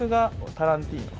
タランティーノ。